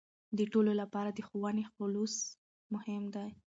د ټولو لپاره د ښوونې خلوص مهم دی.